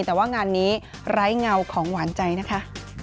แต่ว่างานนี้ไร้เงาของหวานใจนะคะ